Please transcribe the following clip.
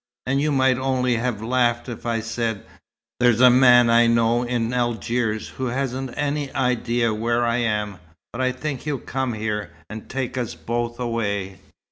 And you might only have laughed if I'd said 'There's a man I know in Algiers who hasn't any idea where I am, but I think he'll come here, and take us both away.'"